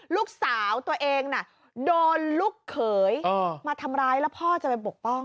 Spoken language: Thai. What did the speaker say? ลูกสาวตัวเองน่ะโดนลูกเขยมาทำร้ายแล้วพ่อจะไปปกป้อง